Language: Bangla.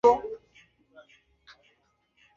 দুঃখিত, বাবা!